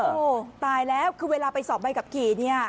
โถ้ตายแล้วเวลาไปสอบใบกับกิน